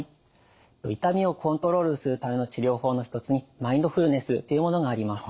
痛みをコントロールするための治療法の一つにマインドフルネスというものがあります。